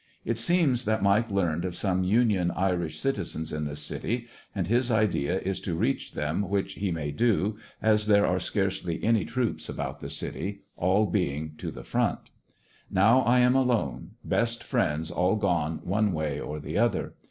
It seems that Mike learned of some union Irish citizens in the city and his idea is to reach them which he may do, as there are scarcely any troops about the city, all being to the front. Now I am alone, best friends all gone one way or the other.